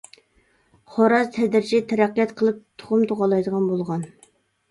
خوراز تەدرىجىي تەرەققىيات قىلىپ تۇخۇم تۇغالايدىغان بولغان.